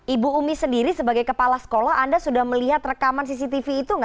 ibu umi sendiri sebagai kepala sekolah anda sudah melihat rekaman cctv itu nggak